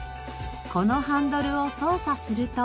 このハンドルを操作すると。